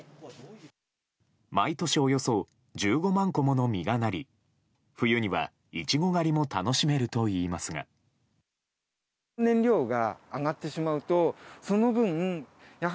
毎年およそ１５万個もの実がなり冬にはイチゴ狩りも楽しめるといいますが。